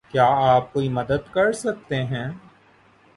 کیا آپ کوئی مدد کر سکتے ہیں؟